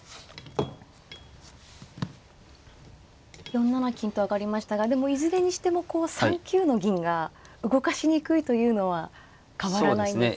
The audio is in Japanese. ４七金と上がりましたがでもいずれにしても３九の銀が動かしにくいというのは変わらないんですね。